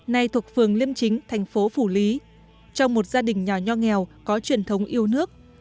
nay thuộc phường liêm chính thành phố phủ lý trong một gia đình nhỏ nho nghèo có truyền thống yêu nước